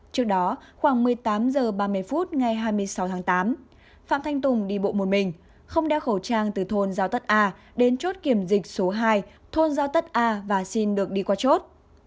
trước đó khoảng một mươi tám h ba mươi phút ngày hai mươi sáu tháng tám phạm thanh tùng đi bộ một mình không đeo khẩu trang từ thôn giao tất a đến chốt kiểm dịch số hai thôn giao tất a và xin được đi qua chốt